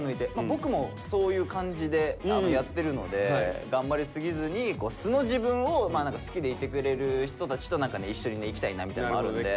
僕もそういう感じでやってるので頑張りすぎずに素の自分を好きでいてくれる人たちと何かね一緒にいきたいなみたいなのもあるんで。